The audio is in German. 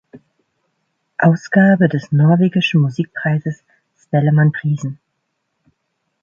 Ausgabe des norwegischen Musikpreises Spellemannprisen.